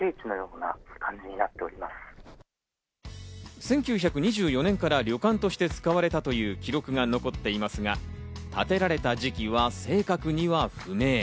１９２４年から旅館として使われたという記録が残っていますが、建てられた時期は正確には不明。